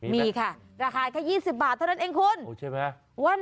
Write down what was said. มีค่ะราคาแค่๒๐บาทเท่านั้นเองคุณใช่ไหม